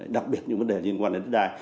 đặc biệt những vấn đề liên quan đến đất đai